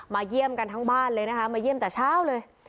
เยี่ยมกันทั้งบ้านเลยนะคะมาเยี่ยมแต่เช้าเลย